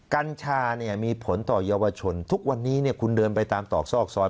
กัญชาเนี่ยมีผลต่อเยาวชนทุกวันนี้คุณเดินไปตามตอกซอกซอย